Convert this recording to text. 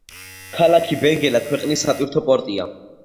ქალაქი ბენგელა ქვეყნის სატვირთო პორტია.